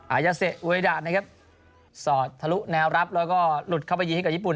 อายาเซะอุยดานะครับสอดทะลุแนวรับแล้วก็หลุดเข้าไปยิงให้กับญี่ปุ่น